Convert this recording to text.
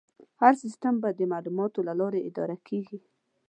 هر سیستم به د معلوماتو له لارې اداره کېږي.